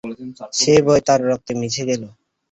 সেই ভয় তাঁর রক্তে মিশে গেল।